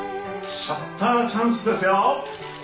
シャッターチャンスですよ！